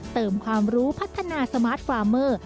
เติมความรู้พัฒนาสมาร์ทความเมอร์